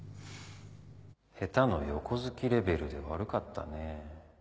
下手の横好きレベルで悪かったね